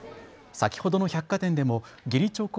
先ほどの百貨店でも義理チョコを